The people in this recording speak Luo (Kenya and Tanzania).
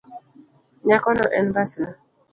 Nyakono en mbasna.